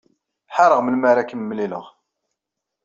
Ḥareɣ melmi ara kem-mlileɣ.